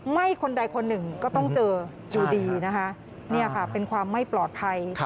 คนใดคนหนึ่งก็ต้องเจออยู่ดีนะคะนี่ค่ะเป็นความไม่ปลอดภัย